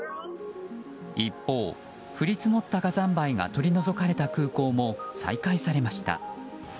一方、降り積もった火山灰が取り除かれた空港も再開されました。